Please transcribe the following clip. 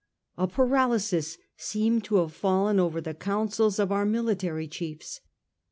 A para lysis seemed to have fallen over the councils of our military chiefs.